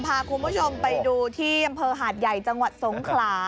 พาคุณผู้ชมไปดูที่อำเภอหาดใหญ่จังหวัดสงขลา